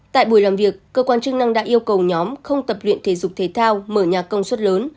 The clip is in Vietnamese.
tại buổi làm việc cơ quan chức năng đã yêu cầu nhóm không tập luyện thể dục thể thao mở nhà công suất lớn